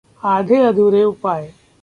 आधे-अधूरे उपाय